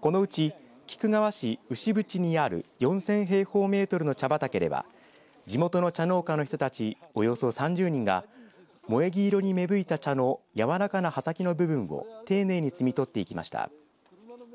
このうち、菊川市牛渕にある４０００平方メートルの茶畑では地元の茶農家の人たちおよそ３０人がもえぎ色に芽吹いた茶の柔らかな葉先の部分を丁寧に摘み取ってきました。